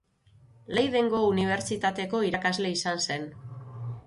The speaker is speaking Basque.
Leidengo Unibertsitateko irakasle izan zen.